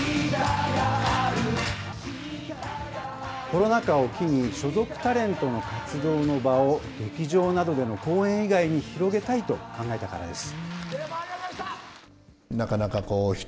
コロナ禍を機に、所属タレントの活動の場を劇場などでの公演以外に広げたいと考えたからです。